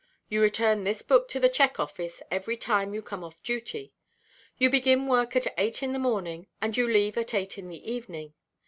You return this book to the check office every time you come off duty. You begin work at eight in the morning, and you leave at eight in the evening.